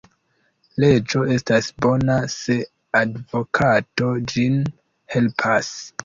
Leĝo estas bona, se advokato ĝin helpas.